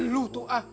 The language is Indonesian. lu tuh ah